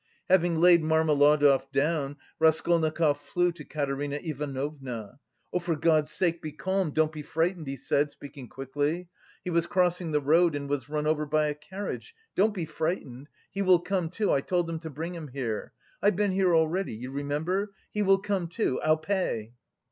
Having laid Marmeladov down, Raskolnikov flew to Katerina Ivanovna. "For God's sake be calm, don't be frightened!" he said, speaking quickly, "he was crossing the road and was run over by a carriage, don't be frightened, he will come to, I told them bring him here... I've been here already, you remember? He will come to; I'll pay!"